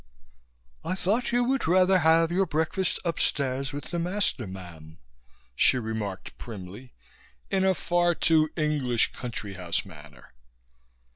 "I thought you would rather have your breakfast upstairs with the Master, mam," she remarked primly, in a far too English country house manner.